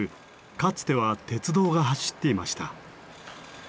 かつては鉄道が走っていました。